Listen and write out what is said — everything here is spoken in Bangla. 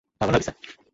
তার নাম রাভি।